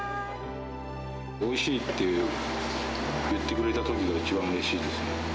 おいしいって言ってくれたときが、一番うれしいですね。